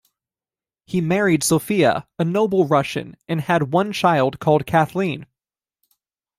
He married Sofia, a noble Russian, and had one child called Kathleen.